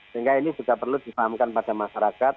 sehingga ini juga perlu dipahamkan pada masyarakat